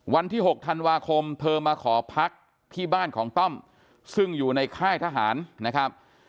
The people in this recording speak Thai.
วันที่๖ธันวาคมเธอมาขอพักที่บ้านของต้อมซึ่งอยู่ในค่ายทหารนะครับ